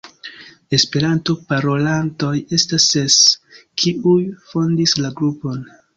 Esperanto parolantoj estas ses, kiuj fondis la grupon.